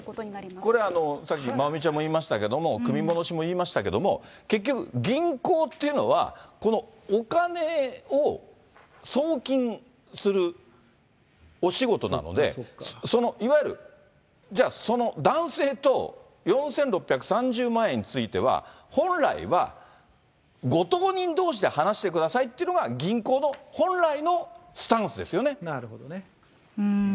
だから、これ、さっきまおみちゃんも言いましたけれども、組み戻しも言いましたけども、結局、銀行っていうのは、このお金を送金するお仕事なので、いわゆるじゃあその男性と、４６３０万円については、本来はご当人どうしで話してくださいっていうのが、銀行の本来のなるほどね。